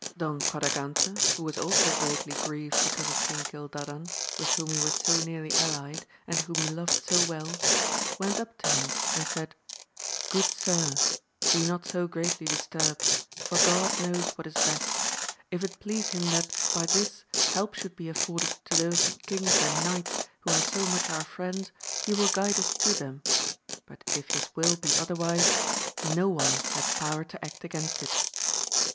Don Quadragante, who was also greatly grieved because of King Cildadan, with whom he was so nearly allied, and whom he loved so well, went up to him and said, Good sir, be not so greatly disturbed, for God knows what is best ; if it please him that, by this, help should be afforded to those kings and knights who are so much our friends, he will guide us to them ; but if his will be otherwise, no one hath power to act against it.